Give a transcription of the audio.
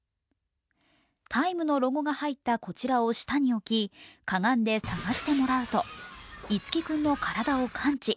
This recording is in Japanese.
「ＴＨＥＴＩＭＥ，」のロゴが入ったこちらを下に置き、かがんで探してもらうと、樹輝君の体を感知。